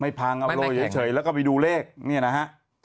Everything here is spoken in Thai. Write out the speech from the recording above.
พังเอาโรยเฉยแล้วก็ไปดูเลขเนี่ยนะฮะ